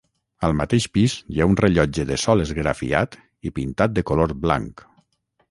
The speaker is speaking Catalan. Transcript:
Al mateix pis hi ha un rellotge de sol esgrafiat i pintat de color blanc.